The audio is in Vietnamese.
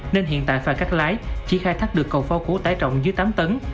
nên hiện tại phà cắt lái chỉ khai thác được cầu phao cũ tái trọng dưới tám tấn